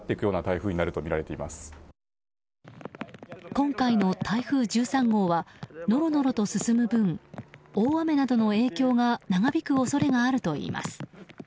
今回の台風１３号はノロノロと進む分大雨などの影響が長引く恐れがあるといいます。